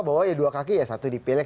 bahwa ya dua kaki ya satu dipilih